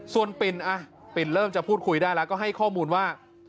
ส่วนปิ่นปิ่นเริ่มจะพูดคุยได้แล้วก็ให้ข้อมูลว่า